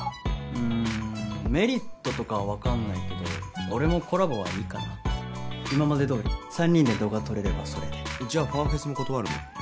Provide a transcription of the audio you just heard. うんメリットとかは分かんないけど俺もコラボはいいかな今までどおり３人で動画撮れればそれでじゃあファンフェスも断るの？